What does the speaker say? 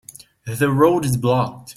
The road is blocked.